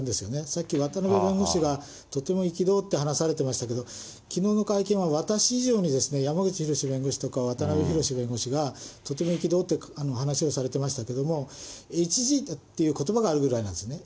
さっき渡辺弁護士がとても憤って話されてましたけれども、きのうの会見は私以上に、山口広弁護士とか、渡辺博弁護士が、とても憤って話をされてましたけれども、ＨＧっていうことばがあるくらいなんですね。